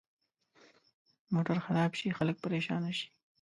موټر خراب شي، خلک پرېشانه شي.